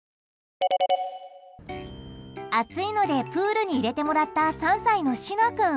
暑いのでプールに入れてもらった３歳のしな君。